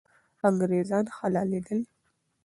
انګریزان حلالېدل.